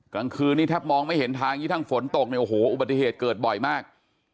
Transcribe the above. กลางคืนนี้แทบมองไม่เห็นทางนี้ทั้งฝนตกเนี่ยโอ้โหอุบัติเหตุเกิดบ่อยมาก